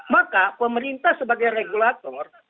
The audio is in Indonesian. maka pemerintah sebagai regulator